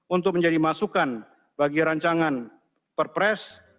untuk menjadi masukan bagi rancangan perpres